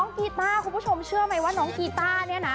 กีต้าคุณผู้ชมเชื่อไหมว่าน้องกีต้าเนี่ยนะ